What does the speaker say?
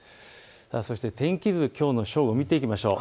そして天気図、きょうの正午を見ていきます。